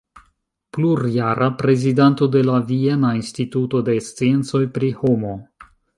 Plurjara prezidanto de la Viena Instituto de Sciencoj pri Homo.